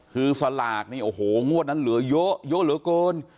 คือสลากนี่โอ้โหงวดนั้นเหลือเยอะเยอะเหลือเกิน